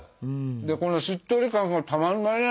でこのしっとり感がたまんないね。